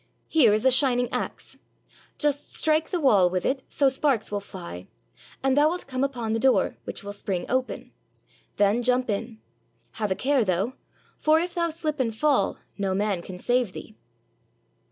Here is a shining axe. Just strike the wall with it so sparks will fly, and thou wilt come upon the door, which will spring open. Then jump in. Have a care, though; for if thou slip and fall, no man can save thee.